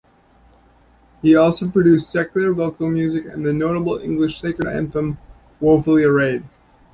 He also produced secular vocal music and the notable English sacred anthem "Woefully arrayed".